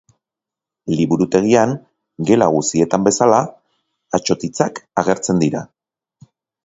Liburutegian, gela guzietan bezala, atsotitzak agertzen dira.